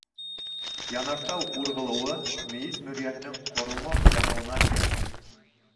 Янартау урғылыуы - мейес мөрйәһенең ҡоромо яныуына тиң.